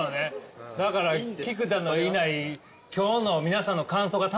だから菊田のいない。